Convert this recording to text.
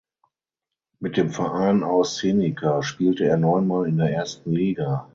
Mit dem Verein aus Senica spielte er neunmal in der ersten Liga.